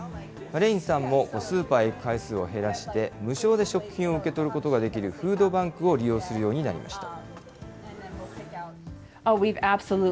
レインさんもスーパーへ行く回数を減らして、無償で食品を受け取ることができる、フードバンクを利用するようになりました。